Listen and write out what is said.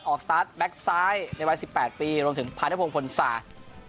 ออกสตาร์ทแบ็กซ้ายในวัยสิบแปดปีรวมถึงพระนักภงฝนศาสตร์